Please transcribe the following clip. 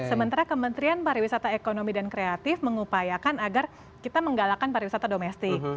sebenarnya kementrian pariwisata ekonomi dan kreatif mengupayakan agar kita menggalakan pariwisata domestik